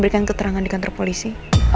berikan keterangan di kantor polisi